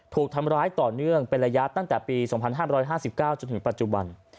ถูกทำร้ายต่อเนื่องเป็นระยะตั้งแต่ปี๒๕๕๙จนถึงปัจจุบัน